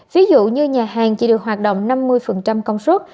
ví dụ như nhà hàng chỉ được hoạt động năm mươi công suất